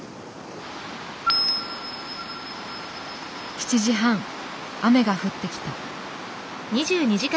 ７時半雨が降ってきた。